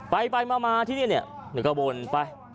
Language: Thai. ไปมาที่นี่นี่หนึ่งกล้าบนไป